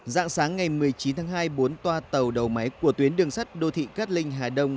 dạng sáng ngày một mươi chín tháng hai bốn toa tàu đầu máy của tuyến đường sắt đô thị cát linh hà đông